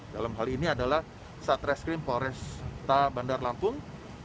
dalam hal ini adalah satreskrim polresta bandar lampung